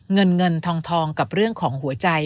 เงินเงินทองกับเรื่องของหัวใจ